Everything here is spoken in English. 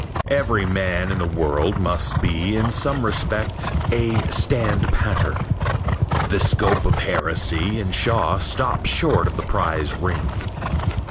Every man in the world must be in some respect a standpatter. The scope of heresy in Shaw stops short of the prize ring.